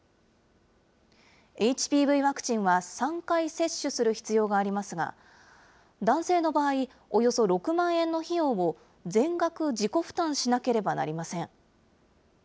ＨＰＶワクチンは３回接種する必要がありますが、男性の場合、およそ６万円の費用を全額自己負担しなければなりません。